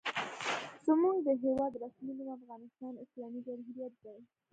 زموږ د هېواد رسمي نوم افغانستان اسلامي جمهوریت دی.